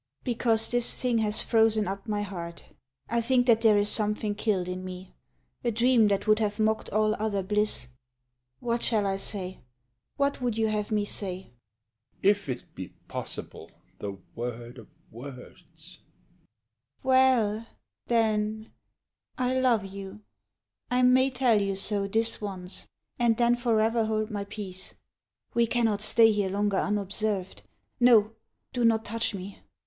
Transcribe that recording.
SHE. Because this thing has frozen up my heart. I think that there is something killed in me, A dream that would have mocked all other bliss. What shall I say? What would you have me say? HE. If it be possible, the word of words! SHE, VERY SLOWLY. Well, then I love you. I may tell you so This once, ... and then forever hold my peace. We cannot stay here longer unobserved. No do not touch me!